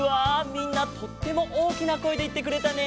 みんなとってもおおきなこえでいってくれたね。